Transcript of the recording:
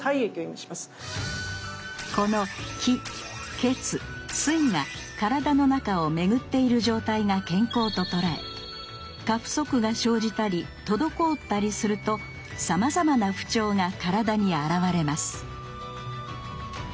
この気・血・水が体の中を巡っている状態が健康と捉え過不足が生じたり滞ったりするとさまざまな不調が体に現れます